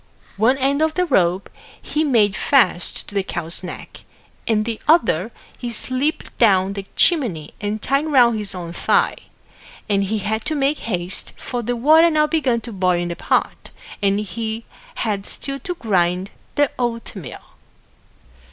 One end of the rope he made fast to the cow's neck and the other he slipped down the chimney and tied round his own thigh; and he had to make haste, for the water now began to boil in the pot, and he had still to grind the oatmeal.